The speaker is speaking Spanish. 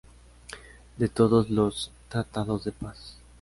De todos los tratados de paz.